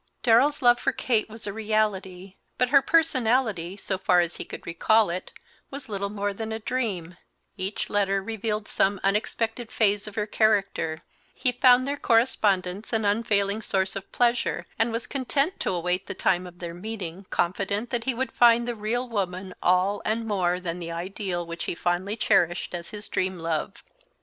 Darrell's love for Kate was a reality, but her personality, so far as he could recall it, was little more than a dream; each letter revealed some unexpected phase of her character; he found their correspondence an unfailing source of pleasure, and was content to await the time of their meeting, confident that he would find the real woman all and more than the ideal which he fondly cherished as his Dream Love.